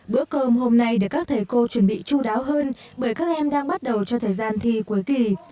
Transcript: bữa cơm hôm nay được các thầy cô chuẩn bị chú đáo hơn bởi các em đang bắt đầu cho thời gian thi cuối kỳ